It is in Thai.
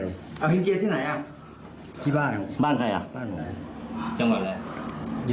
เอาหินเจียตที่ไหนอ่ะที่บ้านบ้านใครอ่ะบ้านไหน